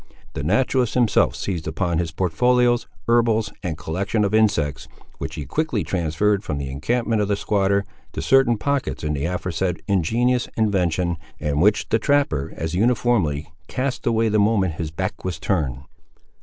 The naturalist himself seized upon his portfolios, herbals, and collection of insects, which he quickly transferred from the encampment of the squatter, to certain pockets in the aforesaid ingenious invention, and which the trapper as uniformly cast away the moment his back was turned.